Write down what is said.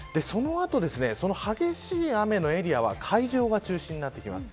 その後、その激しい雨のエリアは海上が中心になってきます。